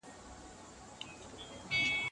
لغاتونه له اوستایي او سکایي ژبو سره ډېر ورته والی لري